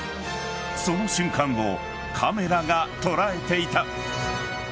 その瞬間をカメラが捉えていた。